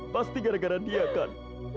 pasti gara gara dia kan